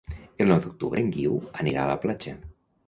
El nou d'octubre en Guiu anirà a la platja.